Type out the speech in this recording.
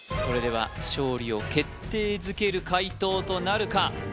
それでは勝利を決定づける解答となるか？